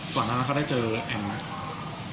ตอนนั้นเขาได้เจอแห่งมั้ย